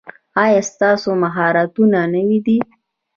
ایا ستاسو مهارتونه نوي دي؟